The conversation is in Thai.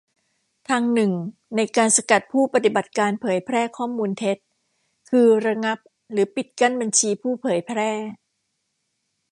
ทางหนึ่งในการสกัดผู้ปฏิบัติการเผยแพร่ข้อมูลเท็จ คือระงับหรือปิดกั้นบัญชีผู้เผยแพร่